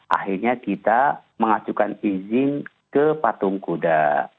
akhirnya kita mengajukan izin ke patung kuda